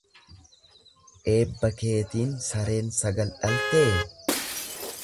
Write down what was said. Eebba keetiin sareen sagal dhaltee?